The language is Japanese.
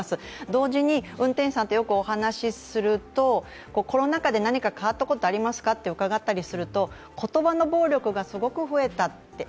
同時に運転手さんとよくお話しするとコロナ禍で何か変わったことありますかと伺ったりすると言葉の暴力がすごく増えたと。